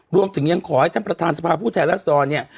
รวมถึงยังขอให้ท่านประธานสภาพผู้แทนรัศดรเนี่ย